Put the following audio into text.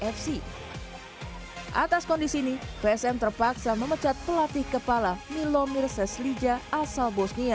fc atas kondisi ini psm terpaksa memecat pelatih kepala milomir seslija asal bosnia